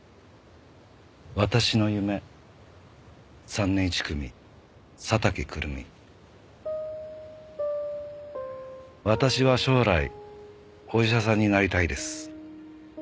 「『わたしの夢』３年１組佐竹玖瑠美」「私は将来お医者さんになりたいです」